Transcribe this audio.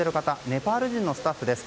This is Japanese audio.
ネパール人のスタッフです。